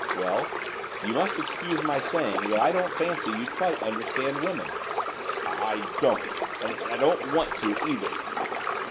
'Well, you must excuse my saying that I don't fancy you quite understand women.' 'I I don't, and I I I don't want to either.